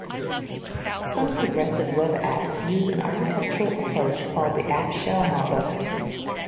Some progressive web apps use an architectural approach called the App Shell Model.